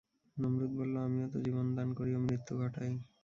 নমরূদ বলল, আমিও তো জীবন দান করি ও মৃত্যু ঘটাই।